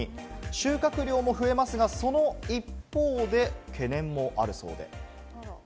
収穫量も増えますが、その一方で懸念もあるそうで。